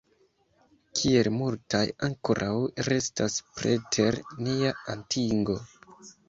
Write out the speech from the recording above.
Kiel multaj ankoraŭ restas preter nia atingo!